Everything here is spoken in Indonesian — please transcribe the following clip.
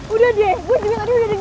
udah deh gua di sini tadi udah dapet